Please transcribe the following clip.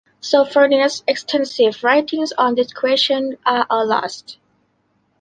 Sophronius' extensive writings on this question are all lost.